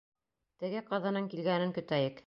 Теге ҡыҙының килгәнен көтәйек.